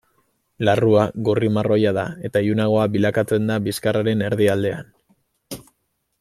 Larrua gorri-marroia da eta ilunagoa bilakatzen da bizkarraren erdialdean.